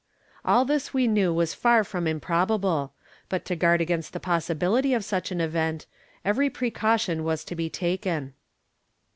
All this we knew was far from improbable; but to guard against the possibility of such an event, every precaution was to be taken.